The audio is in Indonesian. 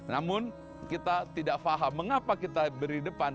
namun kita tidak faham mengapa kita beri depan